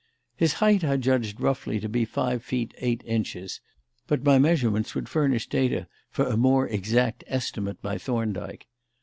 His height I judged roughly to be five feet eight inches, but my measurements would furnish data for a more exact estimate by Thorndyke.